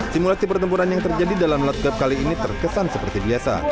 simulasi pertempuran yang terjadi dalam lat gap kali ini terkesan seperti biasa